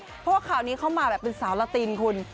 เพราะว่าข่าวนี้เข้ามาแบบเป็นสาวลาตินคุณ